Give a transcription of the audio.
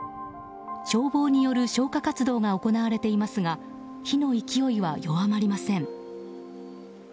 消防による消火活動が行われていますが火の勢いは弱まりません。